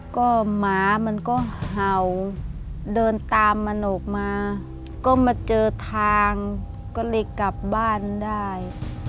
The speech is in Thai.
ก็หมามันก็เห่าเดินตามมันออกมาก็มาเจอทางก็เลยกลับบ้านได้